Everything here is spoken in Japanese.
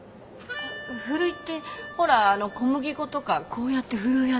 あっふるいってほらあの小麦粉とかこうやってふるうやつ。